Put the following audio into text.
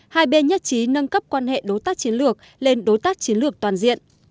hai bên nhất trí nâng cấp quan hệ đối tác chiến lược lên đối tác chiến lược toàn diện